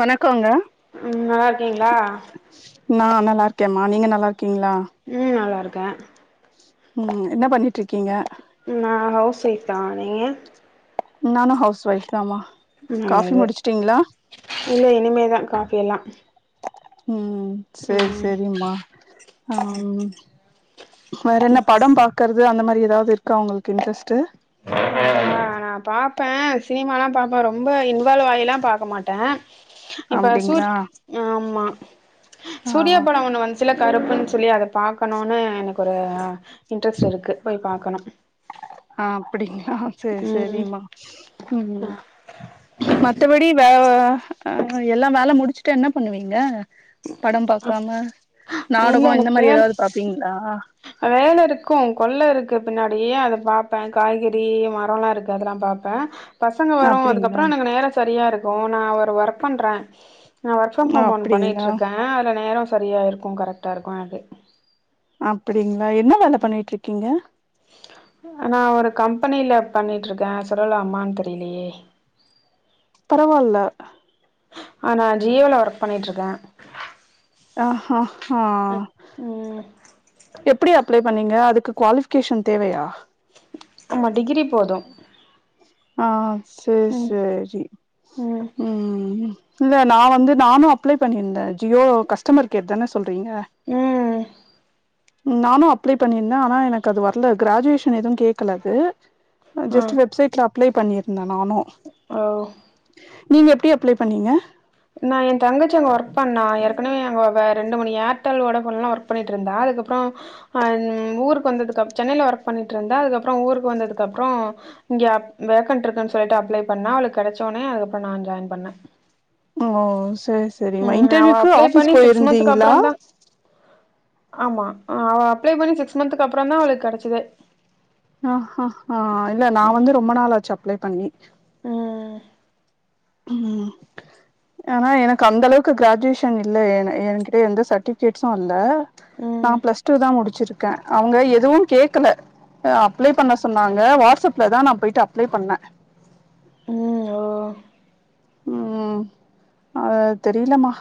வணக்கோங்க ம் நல்லா இருக்கீங்களா நா நல்லாருக்கேமா நீங்க நல்லாருக்கீங்ளா ம் நல்லாருக்கே ம் என்ன பண்ணிட்ருக்கீங்க நா ஹவுஸ் ஒய்ப்தா நீங்க நானு ஹவுஸ் ஒஃப்தாமா நல்லது இல்ல இனிமேதா காஃபில்லா ம் சேரி சேரிம்மா ம் வேற என்ன படோ பாக்குறது அந்த மாரி எதாவ்து இருக்கா உங்களுக்கு இன்ட்ரெஸ்ட்டு ஆ நா பாப்பே சினிமாலா பாப்பே ரொம்ப இன்வால்வ் ஆயில்லா பாக்க மாட்டே இப்ப சூ அப்டிங்களா ஆமா ஆ சூரியா படோ ஒன்னு வந்து சில கருப்புன்னு சொல்லி அத பாக்கணுனு எனக்கு ஒரு இன்ட்ரெஸ்ட் இருக்கு போய் பாக்கணும் ஆ அப்படிங்களா சரி ம் சரிம்மா ம் மத்தபடி வே எல்லாம் வேலை முடிச்சுட்டு என்ன பண்ணுவீங்க படம் பாக்காம இல்ல நாடகம் இந்த எனக்கு மாதிரி பேர் ஏதாவது பாப்பீங்களா வேல இருக்கும் கொள்ளை இருக்கு பின்னாடியே அதை பாப்பேன் காய்கறி மரம் எல்லாம் இருக்கு அதெல்லாம் பாப் பேன் பசங்க வரும் அப்டிங்களா அதுக்கப்புறம் எனக்கு நேரம் சரியா இருக்கும் நான் ஒரு ஒர்க் பண்றேன் நான் ஒர்க் ஃப்ரம் ஹோம் ஒன்னு அப்டிங்களா பண்ணிகிட்டுருக்கேன் அதில நேரம் சரியாக இருக்கும் கரெக்டாக இருக்கும் எனக்கு அப்படிங்களா என்ன வேலை பண்ணிட்டு இருக்கீங்க அ நான் ஒரு கம்பெனில பண்ணிட்டு இருக்கேன் சொல்லமான்னு தெரியலயே பரவால்ல ஆ நான ஜியோ ல ஒர்க் பண்ணிட்டு இருக்கேன் ஆ ஹ ஹ ம் எப்படி அப்ளை பண்ணீங்க அதுக்கு குவாலிபிகேஷன் தேவையா ஆமா டிகிரி போதும் ஆ சேர் ம் சேரி ம் உம் இல்ல நான் வந்து நானும் அப்ளை பண்ணியிருந்தேன் ஜியோ கஸ்டமர் கேர் தானே சொல்றீங்க ம் நானும் அப்ளை பண்ணிருந்தே ஆனா எனக்கு அது வரல கிராஜுவேஷன் எதுவு கேக்கலது ஆ ஜஸ்ட் வெப்சைட்ல அப்ளை பண்ணியிருந்த நானு ஓ நீங்க எப்டி அப்ளை பண்ணீங்க நான் என் தங்கச்சி அங்க ஒர்க் பண்ணா ஏற்கனவே அங்க ரெண்டு மணி ஏர்டெல்லோட போன்லாம் ஒர்க் பண்ணிட்டு இருந்தா அதுக்கப்புறம் அ ஹ் ஊருக்கு வந்தது அப் சென்னையில ஒர்க் பண்ணிட்டு இருந்தா அதுக்கப்புறம் ஊருக்கு வந்ததுக்கு அப்புறம் இங்க வேகண்ட் இருக்குன்னு சொல்லிட்டு அப்ளை பண்ணா அவளுக்கு கிடைச்ச உனே அதுக்கப்புறம் நான் ஜாயின் பண்ணேன் ஓ சரி சரிம்மா ம் அவ இன்டர்வியூக்கு அப்ளை பண்ணி ஆஃபீஸ் சிக்ஸ் மந்த்துக்கு போயிருந்தீங்களா அப்றந்தா ஆமா அவ அப்ளை பண்ணி சிக்ஸ் மந்த் க்கு அப்புறம் தான் அவளுக்கு கிடைச்சதே ஆ ஹ ஹா இல்ல நான் வந்து ரொம்ப நாளாச்சு அப்ளை பண்ணி ம் ம் ஆனா எனக்கு அந்தளவுக்கு கிராஜுவேஷன் இல்ல எ என்கிட்ட எந்த சர்டிபிகேட்ஸும் இல்ல ம் நான் பிளஸ் டூ தான் முடிச்சிருக்கேன் அவங்க எதுவும் கேக்கல அப்ளை பண்ண சொன்னாங்க வாட்ஸ்அப்ல தான் நான் போயிட்டு அப்ளை பண்ணே உம் ஓ ம் அ தெரியலமா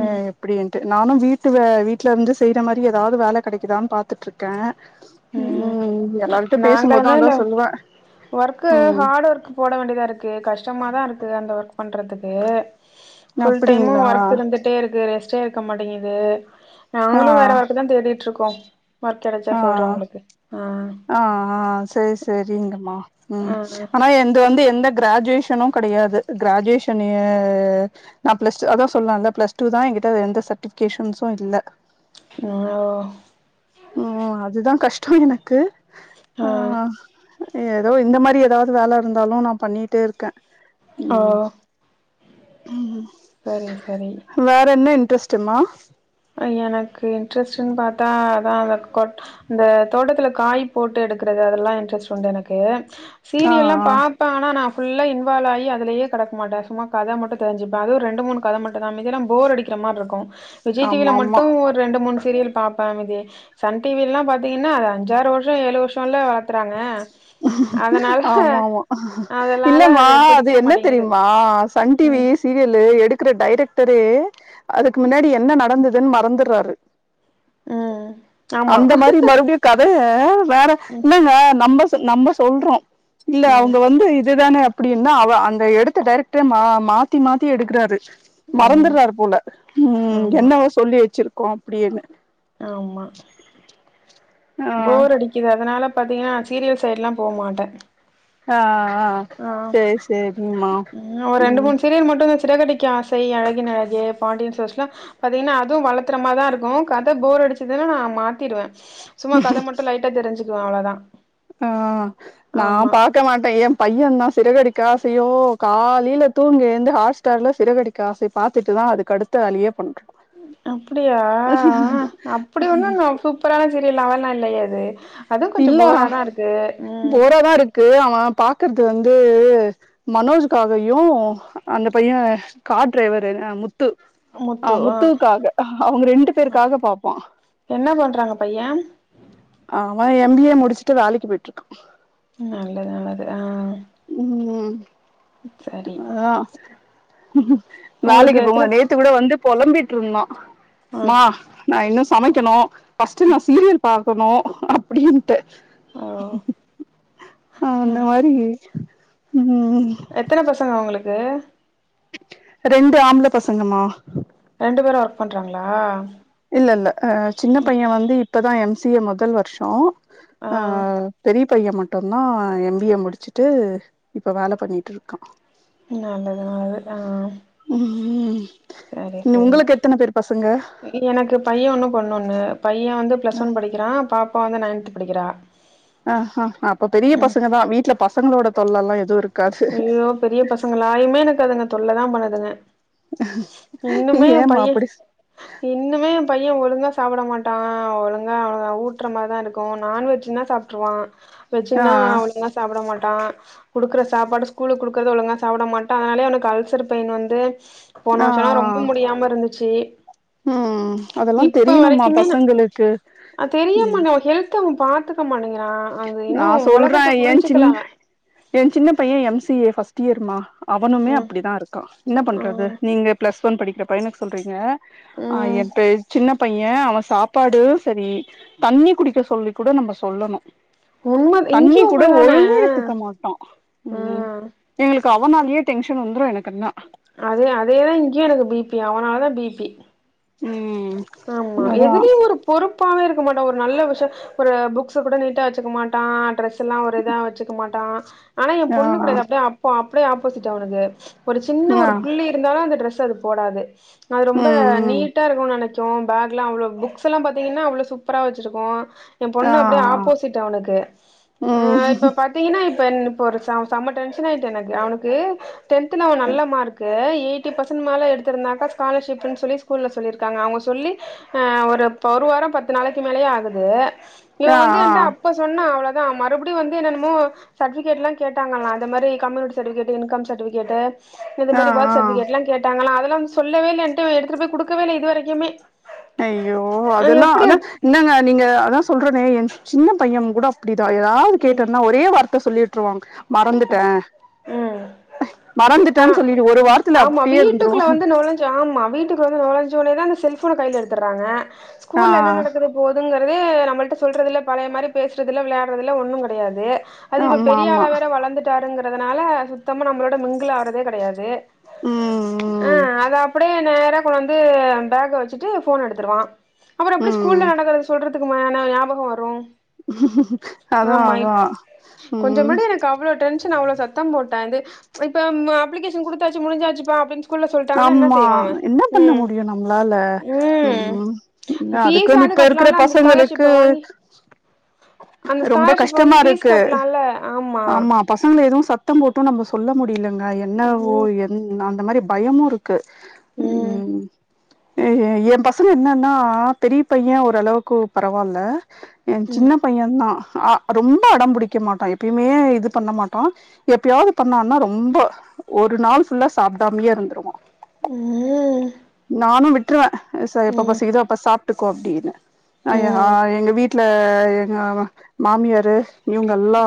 ம் இப்படின்ட்டு நானும் வீட்டு வீட்டுல இருந்து செய்யற மாரி ஏதாவது வேலை கிடைக்குதான்னு பாத்துட்டு இருக்கேன் ம் உம் எல்லாரிட்டு பேசும்போது நாங்களுமே அதா லவ் சொல்லுவே ஒர்க்கு ம் ஹார்டு ஒர்க் போட வேண்டியதா இருக்கு கஷ்டமாதா இருக்கு அந்த ஒர்க் பண்ணறதுக்கு ஃபுல் டைமு அப்டிங்களா ஒர்க் இருந்துட்டே இருக்கு ரெஸ் சேருக்க மாட்டிங்குது ஆ நாங்களு வேற ஒர்க்குதான் தேடிட்டுருக்கோ ஒர்க் கெடச்சா சொல்ற உங்களுக்கு ஆஹ் ஆஹ் ஆஹ் சரி சரிங்கம்மா ம் ஆ ஆனா எந்து வந்து எந்த கிராஜுவேஷனும் கிடயாது கிராஜுவேஷன் நே நா பிளஸ்டூ அதா சொல்ரல்ல பிளஸ்டூ தான் என்கிட்ட எந்த சர்டிபிகேஷன்ஸும் இல்ல ஓ உம் அதுதா கஷ்டோ எனக்கு ஆ ஏதோ இந்த மாரி ஏதாது வேல இருந்தாலு நா பண்ணிட்டே இர்க்கே ஓ உம் உம் செரிங்க செரி வேற என்ன இன்ட்ரெஸ்ட்டுமா எனக்கு இன்ட்ரெஸ்ட்னு பாத்தா அதான் வெப் கோட்டா இந்த தோட்டத்துல காய் போட்டு எடுக்குறது அதெல்லா இன்ட்ரெஸ்ட் உண்டு எனக்கு ஆ சீரியல்லா ஆ பாப் பே ஆனா நா ஃபுல்லா இன்வாலாயி அதிலேயே கடக்கமாட்டே சும்மா கத மட்டு தெரிஞ்சுப்பே அது ரெண்டு மூணு கத மட்டும்தா மீதில்லா போர் அடிக் க்குற மாரி இருக்கு விஜய் டிவில ஆமா ஆமா மட்டு ஒரு ரெண்டு மூணு சீரியல் பாப்பே மீதி சன் டிவி எல்லா பாத்தீங்கன்னா அது அஞ்சாறு வருஷோ ஏழு வருஷம்ல்லா வளத்துறாங்க ஆமாம்மா அதனால இல்லமா அது பிடிக்கவே என்ன மாட்டேங்குது. தெரியுமா சன் டிவி ம். சீரியலு எடுக்குற டைரக்டரே அதுக்கு முன்னாடி என்ன நடந்ததுன்னு மறந்துறாரு ம். ஆமா. அந்த மாறி மறுபடியு கதைய வேற ம். இல்லங்க நம்ம நம்ம சொல்றோம் இல்ல ம். அவுங்க வந்து இதுதான அப்பிடியின்னா அவ அந்த எடுத்த டைரக்ட்ரே மா மாத்தி மாத்தி எடுக்குறாரு ம். மறந்துர்றாரு போல ம் ம் ஆமா என்னவோ சொல்லி வச்சிருக்கோ அப்பிடின்னு ஆம்மா [inaudible] போரடிக்குது அதுனால பாத்தீங்கன்னா சீரியல் சைட்லா போமாட்டே ஆ ஆ அ சேரி சேரிமா ம் ஒரு ரெண்டு மூணு சீரியல் மட்டு சிறகடிக்க ஆசை அழகின் அழகே பாண்டியன் ஸ்டோர்ஸ் லா பாத்தீங்கனா அதுவு வளத்தறமாதா இருக்கு கத போர் அடிச்சதுனா நா மாத்திருவே சும்மா கத மட்டு லைட்டா தெரிஞ்சுக்குவே அவ்ளோதா ஆ நா ஆமா பாக்க மாட்டே எம் பையன் தா சிறகடிக்காசையோ காலைல தூங்கி எழுந்து ஹாட்ஸ்டார்ல சிறகடி க்க ஆசை பாத்துட்டுதா அதுக்கு அடுத்த வேலயே பண்றா அப்டியா அப்டி ஒன்னு அங்க சூப் ப்ரா செரி லெவல்லா இல்லையே அது அதுவும் கொஞ்சோ போராதா இருக்கு ம் க்கு அவே பாக்குறது வந்து மனோஜ்காகயு அந்த பையே கார் டிரைவர்ரு முத்து ஆ முத்துவுக்காக அவுங்க ரெண்டு பேருக்காக பாப்பான் என்ன பண்றாங்க பையே அவே எம் பி ஏ முடிச்சுட்டு வேலக்கீ போயிட்டு இருக்கா நல்லது நல்லது அ ம் அதான் உங்களுக்கு வேலக்கி எத்தன போம்போது நேத்து கூட வந்து பொலம்பிட்ருந்தா ஆ மா நா இன்னு சமக்கெணு ஃபஸ்ட்டு நா சீரியல் பாக் கணு அப்டின்ட்டு ஒ அந்த மாரி ம் எத்தன பசங்க ஒங்களுக்கு ரெண்டு ஆம்பள பசங்கமா ரெண்டு பேரு ஒர்க் பண்றாங்களா? இல்லல்ல அ சின்ன பையே வந்து இப்போதா எம் சி ஏ மொதல் வர்ஷோ ஆ அ பெரிய பைய மட்டுதா எம் பி ஏ முடிச்சுட்டு இப்ப வேல பண்ணிட்டு இருக்கா ம் நல்லது நல்லது அ ம் ம் சேரி சேரி எனக்கு பைய ஒன்னு பொண்ணொன்னு பைய வந்து ப் ப்ளஸ் ஒன் படிக்கிறா பாப்பா வந்து நைன்த்து படிக்கிறா ஆ ஆ ஆ அப்ப பெரிய பசங்க தா வீட்ல பசங்களோட தொல்லல்லா எது இருக் ஐயோ பெரிய பசங்களா இன்மே எனக்கு அதுங்க தொல்ல தா பண்ணுதுங்க இன்னுமே எ ஏமா பைய அப்படி இன்னுமே எ பைய ஒழுங்கா சாப்ட மாட்டா ஆ ஒழுங்கா ஊட்டுற மாரிதா இருக்கு நான்வெஜ்னா சாப் ட்ருவா ஆ வெஜ்னா அவ்ளலா சாப்ட மாட்டா குடுக்ற ஸ் சாப்பாடு ஸ்கூல்க்கு குடுக்குறத ஒழுங்கா சாப்டமாட்டா அதுனால அவனுக்கு அல்சர் பெயின் வந்து போன ஆ வருஷோனா ரொம்ப முடியாம இருந்துச்சி ம் அதெல்லா இப்ப தெரியணுமா வரைக்குமே ந பசங்களுக்கு அது தெரியாம ம் நா ஹெல்த் த அவ பாத்துக்க மாட்டங்கிறா அவ இன்னு நா ஒலகத்த புரிஞ்சிக்கல அவ எ சின்ன பைய எம் சி ஏ ஃபர்ஸ்ட் இயர்மா அவனுமே ம் அப்டிதா இருக்கா என்ன பண்றது ம் நீங்க பிளஸ் ஒன் படிக்கிற பையனுக்கு சொல்றீங்க ஆ ம் எப்பெ சின்னப் ன பைய அவ சாப்பாடு சரி தண்ணி குடிக்க சொல்லி கூட நம்ம சொல்லணு உண்ம தண்ணி இங்கயு கூட அப்டிதான ஒழுங்கா எடுத்துக்க மாட்டா ம் எங்களுக்கு அவனாலயே டென்ஷன் வந்துடு எனக்குன்னா அதே அதேதா இங்கயு எனக்கு பி பி அவனால தா பி பி ம் ஆமா அதா எதுலேயு ஒரு பொறுப்பாவே இருக்க மாட்டா ஒரு நல்ல விஷயோ ஒரு புக்ஸ கூட நீட்டா வச்சுக்க மாட்டா ட்ரெஸ்ல்லா ஒரு இதா வச்சுக்க மாட்டா ஆனா ஏ ஆ பொண்ணு கெடயாது அப்டியே அப்ப அப்டியே ஆப்போசிட் அவனுக்கு ஒரு சின்ன ஆ ஒரு புள்ளி அ இருந்தாலு அந்த ட்ரெஸ்ஸ அது போடாது அது ரொம்ப ம் ம் நீட்டா இருக்குனு நெனக்க கு பேக்லா அவ்ளோ புக்ஸ்ல்லா பாத்தீங்கன்னா அவ்ளோ சூப்பரா வச்சிருக்கு எ ஆ பொண்ணு அப்டியே ஆப்போசிட் அவனுக்கு அ ம் இப்ப பா ஏன்னா இப்ப இப்ப ஒரு செம செம டென்ஷன் ஆயிட்டு எனக்கு அவனுக்கு டென்த்ல அவ நல்ல மார்க்கு எயித் ஃபிப்டி பர்சன்ட் மேல எடுத்திருந்தாக்க ஸ்காலர்ஷிப்ன்சொல்லி ஸ்கூல சொல்லிர்க்காங்க அவுங்க ஸ் சொல்லி அ ஒரு ஒரு வாரோ பத்து நாளைக்கி மேலயே ஆகுது இவ ஆ ஆ வந்து என்ட்ட இப்ப சொன்னா அவ்ளதா மறுபடியு வந்து என்னனமோ சர்டிபிகேட்லா கேட்டாங்களா இ்ந்த மாரி கம்யூனிட் சர்டிபிகேட்டு இன்கம் சர்டிபிகேட்டு இது ஆ மாரி ஆ பர்த்சர்டிபிகேட்லா கேட்டாங்களா அதெல்லா சொல்லவே இல்ல ஏன்ட்ட எடுத்துட்டு போய்குடுக்கவேல்ல இது வரைக்குமே ஐய்யோ ஆ அதெல்லா எப்டி அதா என்னங்க நீங்க அதா சொல்றனே எ சின்ன பைய கூட அப்டிதா ஏதாவது கேட்டேன்னா ஒரே வார்த்த சொல்லிவுட்ர்வா மறந்துட்டே ம் ஆ மறந்துட்டே சொல்லிடு ஒரு வார்த்தைல ஆமா அப்டியே இருந்துருவா வீட்டுக்குள்ள வந்து நொழஞ்சு ஆமா வீட்டுக்கு வந்து நொழஞ்சோனதா இந்த செல்போன கையில எடுத்துறாங்க ஆ ஸ்கூல்ல என்ன நடக்குது போதுங்கறது நம்மள்ட்ட சொல்றதில்ல பழைய மாரி பேசுறதில விளையாடுறதில ஒண்ணு கெடையாது அது இப்ப ஆமா பெரிய ஆள ஆமா வேற வளந்துட்டாருங்கிறதுனால சுத்தமா நம்மளோட மிங்கில் ஆவறதே கெடையாது ம் அ ம் அது அப்டியே நேர இப்ப வந்து பேக வச்சுட்டு ஃபோன எடுத்துடுவா அப்றோ எப்டி ம் ஸ்கூல்ல நடக்கறது சொல்றது இதுக்கு மேன யாபகோ வரு அதா ஆமா அதா கொஞ்ச ம் முன்னாடி எனக்கு அவ்ளோ டென்ஷன் அவ்ளோ சத்தம் போட்டே இது இப்ப அப்ளிகேஷன் குடுத்தாச்சு முடிஞ்சாச்சுப்பா அப்டின்னு சொ ஆமா என்ன பண்ண முடியு நம்மளால ம் இன்னா அதுகுன்னு ஃபீஸாது இப்ப இருக்கிற கட்டலால்ல அந்த பசங்களுக்கு ஸ்காலர்ஷிப்ப வாங்கி அந்த ரொம்ப ஸ்காலர்ஷிப் வாங்கி ஃபீஸ் கஷ்டமாருக்கு கட்டலால்ல ஆமா ஆமாம் பசங்கல எதுவு சத்தம் போட்டு நம்ம சொல்ல முடியலங்க என்னவோ ம் என் அந்த மாரி பயமு இருக் க்கு ம் ஏ ஏ பசங்க என்னன்னா பெரிய பைய ஓரளவுக்கு பெரவால்ல என் ஜின்ன பைய தா அ ரொம்ப அடம்பிடிக்க மாட்டா எப்பயுமே இது பண்ண மாட்டா எப்பயாவது பண்ணானா ரொம்ப ஒரு நாள் ஃபுல்லா சாப்டா இங்கயே இருந்துருவோ ம் நானு விட்ருவ எப்போ ம் பசிக்குதோ அப்ப சாப்டு க்கோ அப்டின்னு அ ம் எங்க வீட்டு இந்த எங்க மா மாமியரு இவங்கல்லா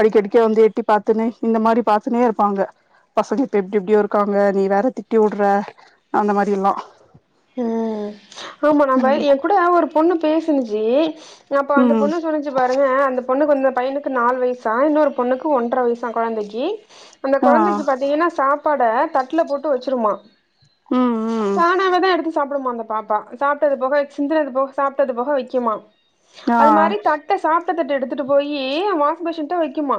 அடிக்கடிக்க வந்து எட்டி பாத்துன்னு இந்த மாரி பாத்துனே இருபாங்க பசங்க இப்ப எப்டி எப்டியோருக் இருகாங்க நீ வேற திட்டி உட்ற அந்த மாரில்லா ம் ஆமா நம்ம எ கூட ஒரு பொண்ணு பேசினுச்சு அப்ப அந்த ம் பொண்ணு சொன்னுச் பாருங்க அந்த பொண்ணுக்கு அந்த பையனுக்கு நாலு வயசா இன்னொரு பொண்ணுக்கு ஒன்றரை வயசா கொழந்தைகி அந்த ஆ கொழந்தைக்கி பாத்தீங்கினா சாப்பாட தட்ல போட்டு வெச்சிருமா ம் ம் தானா அவந்தா எடுப் சாப்பிடுமா அந்தப் பாப்பா சாப்டது போக சிந்தனது போக சாப்டது போக வெக்குமா ஆ அது மாரித் தட் க்க சாப்ட தட்ட எடுத்துட்டு போயி வாஷ் பேசண்ட வெக்குமா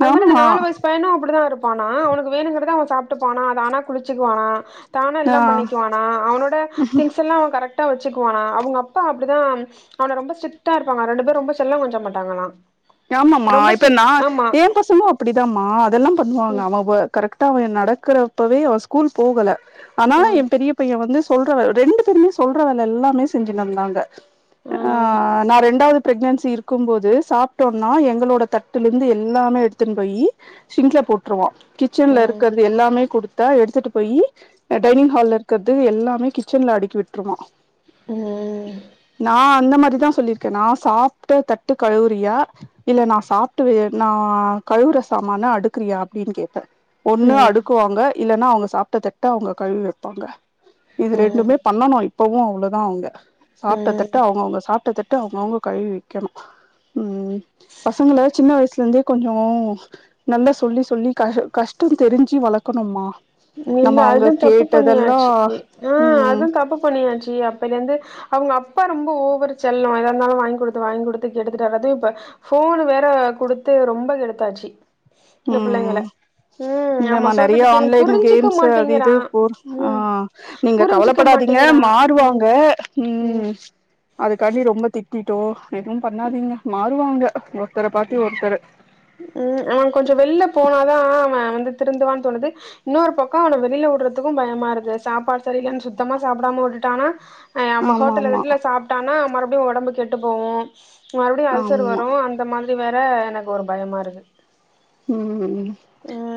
அது மாரி அந்த ஆமா நாலு வயசுப் ஏ பையனு அப்டிதா இருப்பானா அவனுக்கு வேணுங்கறத அவ சாப்பிட்டுபானா தானா குளிச்சுக்குவானா தானா எல்லா ஆ பண்ணிக்குவானா அவனோட திங்ஸ் எல்லா அவ கரெக்ட்டா வெச்சுக்குவானா அவுங்க அப்பா அப்டிதா அவன ரொம்ப ஸ்ட்ரிட்டா இருப்பாங்க ரெண்டு பேரு ரொம்ப செல்லங் கொஞ்ச மாட்டாங்களா ஆமாம்மா இப்ப நா எ பசங்களு அப்டிதாம்மா அதெல்லா பண்ணுவாங்க அவ வோ கரெக்ட் விட்டா அவ நடக்கிறப்பவே அவ ஸ்கூல் போகல ஆனா ம் என் பெரிய இப்ப இவ வந்து சொல்ற ரெண்டு பேருமே சொல்ற வேல எல்லாமே செஞ்சின் தா இருந்தாங்க ம் ஆ நா ரெண்டாவது பிரெக்னன்சி இருக்கு போது சாப் விட்டோனா எங்களோட தட்டுல இர்ந்து எல்லாமே எடுத்துன்னு போயி சிங்ல போட்ருவா கிச்சன்ல ம் இருக்கற்து எல்லாமே குடுத் டா எடுத்துட்டு போய் டைனிங் ஹால்ல இருக்கறது எல்லாமே கிச்சன்ல அடுக்கி விட்ருவா ம் நா அந்த மாரிதா சொல்லியிருக்கே நா சாப்ட்ட தட்டு கழுவுரியா இல்ல நா சாப்ட்டு நா கழுவுற சாமான அடுக்கிறியா அப்டின்னு கேப்பே ஒண்ணு ம் அடுக்குவாங்க இல்லன்னா அவுங்க சாப்ட்ட தட்ட அவுங்க கழுவி வெப்பாங்க இது ரெண்டுமே பண்ணணோ இப்பவுமே அவ்வளோதா அவுங்க சாப்ட்ட ம் ம் தட்ட அவங்கவுங்க சாப்ட்ட தட் ட்டு அவங்கவுங்க கழுவி வெக்கணு ம் ம் பசங்கள சின்ன வயசுலருந்தே கொஞ்சோ நல்லா சொல்லி சொல்லி க கஷ்டோ தெரிஞ்சி வளக்கணும்மா நம்ம நில்ல அவங்க அதுதாந் தப்பு கேட்டதெல்லா பண்ணுயாச்சி ஆ ம் அதாந் தப்பு பண்ணுயாச்சி அப்பேலந்து அவுங்க அப்பா ரொம்ப ஓவர் செல்லோ எதா இருந்தாலு வாங்கி குடுத்து வாங்கி குடுத்து கெடுத்துட்டாரு அது இப்ப ஃபோன் வேற குடுத்து ரொம்ப கெடுத்தாச்சு இந்த ம் புள்ளைங்கள ம் ம் ஆமா இல்லேமா நெறைய சொல்றது கேளுங் ஆன்லைன் புரிஞ்சுக்க கேம்ஸ்ஸு அது மாட்டேங்கிறா இது போர் ம் நீங்க புரிஞ்சுக்க கவலப்படாதீங்க மாட்டேங்கிறா மாறுவாங்க ம் அதுக்காண்டி ரொம்ப திட்டிட்டோ எதுவு பண்ணாதீங்க மாறுவாங்க ஒருத்தர பாத்து ஒருத்தரு ம் அவ கொஞ்சோ வெளில போனாதா அவ வந்து திருந்துவான்னு தோணுது இன்னொரு பக்கொ அவன வெளில விடுறதுக்கு பயமா இருக்கு சாப்பாடு சரியில்லன் சுத்தமா சாப்டாம விட்டுட்டா ஆனா அ நம்ம ஆமா ஹோட்டல ஆமா கீட்டல சாப்ட்டனா மறுபடியு ஒடம்பு கெட்டு போவு மறுபடியு அல்சர் ஆமா வரு அ இந்த மாத்ரி வேற எனக்கு ஒரு பயமா இருக்கு ம்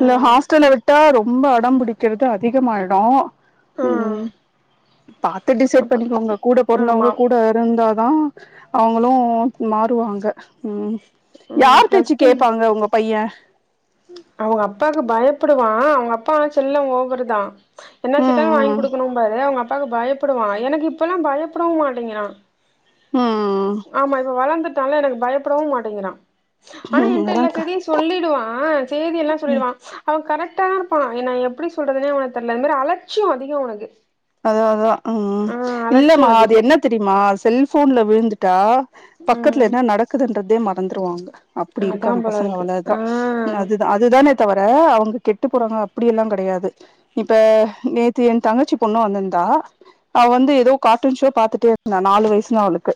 இல்ல ஹாஸ்டல்ல விட்டா ரொம்ப அடம் பிடிக்கிறது அதிகமாயிடு ஆ ம் பாத்து டிசைட் அப்ப பண்ணிகோங்க கூட ஆமா பொறந்தவங்க கூட இருந்தா தா அவுங்களு மாறுவாங்க ம் ம் யார் பேச்சு கேப்பாங்க உங்க பையெ அவுங்க அப்பாக்கு பயப்படுவா அவுங்க அப்பாவோ செல்லோ ஓவருதா என்ன கேட்டாலு வாங்கி ம் குடுக்கணோம்பாரு அவுங்க அப்பாவுக்கு பயப்படுவா எனக்கு இப்பல்லா பயப்படவு மாட்டீங்கிறா ம் ம் ஆமா இப்ப வளந்துட்டால எனக்கு பயப்படவு மாட்டேங்கிறா ஆனா ம் என்ட்ட எல்லா அதான்க்கா செய்தியு சொல்லிடுவா செய்தி எல்லா சொல்லிடுவா அவ கரெக்டாதா இருப்பா என்ன எப்டி சொல்றதுனே உனக்கு தெர்ல அது மாரி அலட்சியோ அதிகோ அவனுக்கு அதா அதா ம் ஆ அலட்சியோ இல்லமா அது அதிகோ என்ன தெரியுமா செல்போன்ல விழுந்துட்டா பக்கத்துல ம் என்ன நடக்குதுன்றதே மறந்துருவாங்க அப்டி அதா இருக்காங்க போல பசங்க இருக்கு அவ்வளதா ஆ அது அதுதானே தவிர அவங்க கெட்டு போறாங்க அப்டியெல்லா கெடையாது இப்ப நேத்து ஏ தங்கச்சி பொண்ணு வந்துருந்தா அவ வந்து ஏதோ கார்ட்டூன் ஷோ பாத்துட்டே இருந்தா நாலு வயசுனா அவளுக்கு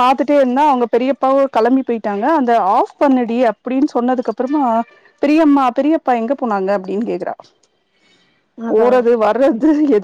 பாத்துட்டே இருந்தா அவங்க பெரியப்பாவு களம்பி போயிட்டாங்க அந்த ஆஃப் பண்ணுடி அப் அப்டீன்னு சொன்னதுக்கு அப்புறமா பெரியம்மா பெரியப்பா எங்க போனாங்க அப்டீன்னு கேக்குறா அதா போறது வர்றது எது